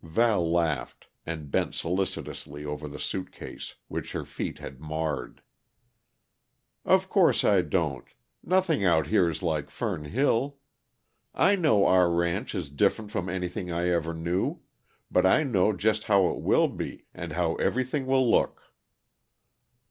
Val laughed, and bent solicitously over the suitcase, which her feet had marred. "Of course I don't. Nothing out here is like Fern Hill. I know our ranch is different from anything I ever knew but I know just how it will be, and how everything will look."